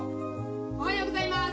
・おはようございます。